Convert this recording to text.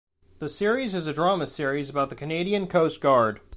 The series is a drama series about the Canadian Coast Guard.